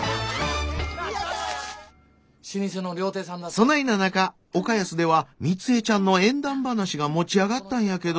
そないな中岡安ではみつえちゃんの縁談話が持ち上がったんやけど。